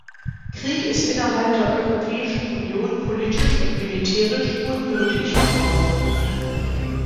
Krieg ist innerhalb der Europäischen Union politisch und militärisch unmöglich geworden.